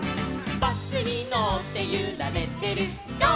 「バスにのってゆられてるゴー！